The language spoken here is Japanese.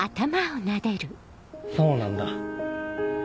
そうなんだ。